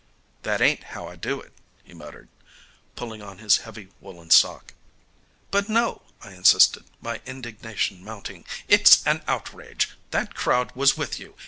"That ain't how I do it," he muttered, pulling on his heavy woollen sock. "But no," I insisted, my indignation mounting. "It's an outrage! That crowd was with you.